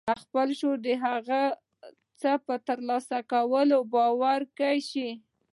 خپل لاشعور د هغه څه په ترلاسه کولو باوري کولای شئ.